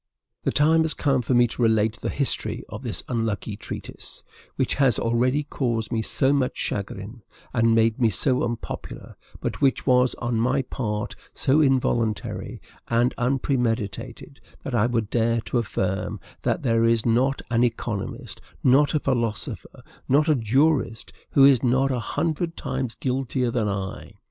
The time has come for me to relate the history of this unlucky treatise, which has already caused me so much chagrin, and made me so unpopular; but which was on my part so involuntary and unpremeditated, that I would dare to affirm that there is not an economist, not a philosopher, not a jurist, who is not a hundred times guiltier than I.